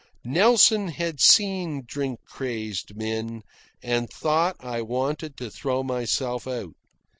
Nelson had seen drink crazed men, and thought I wanted to throw myself out.